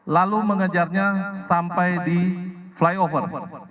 lalu mengejarnya sampai di flyover